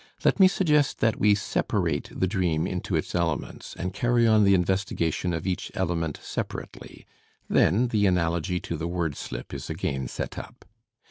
Let me suggest that we separate the dream into its elements, and carry on the investigation of each element separately; then the analogy to the word slip is again set up.